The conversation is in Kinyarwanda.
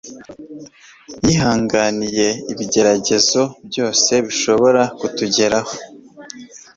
Yihanganiye ibigeragezo byose bishobora kutugeraho .